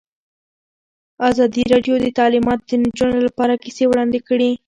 ازادي راډیو د تعلیمات د نجونو لپاره کیسې وړاندې کړي.